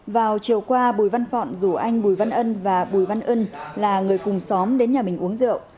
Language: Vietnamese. vào chiều qua bùi văn phọn rủ anh bùi văn ân và bùi văn ân là người cùng xóm đến nhà mình uống rượu